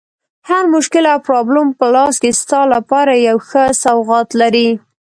هر مشکل او پرابلم په لاس کې ستا لپاره یو ښه سوغات لري.